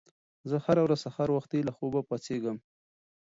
زه هره ورځ سهار وختي له خوبه پاڅېږم.